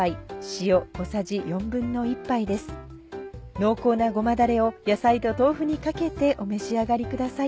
濃厚なごまだれを野菜と豆腐にかけてお召し上がりください。